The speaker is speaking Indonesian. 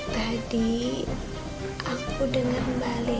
tadi aku denger balik